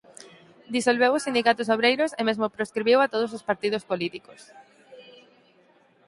Disolveu os sindicatos obreiros e mesmo proscribiu a todos os partidos políticos.